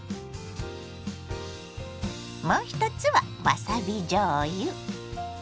もう一つはわさびじょうゆ。